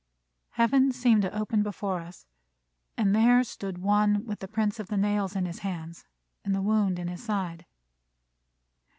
Heaven seemed to open before us, and there stood One with the prints of the nails in his hands and the wound in his side.